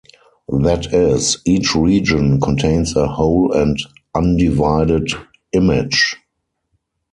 That is, each region contains a whole and undivided image.